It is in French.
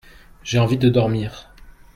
J'ai envie de dormir.